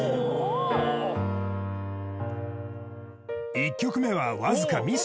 １曲目はわずかミス